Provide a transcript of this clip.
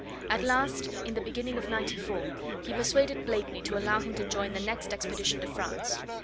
At last, in the beginning of '94 he persuaded Blakeney to allow him to join the next expedition to France.